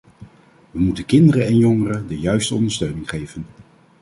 We moeten kinderen en jongeren de juiste ondersteuning geven.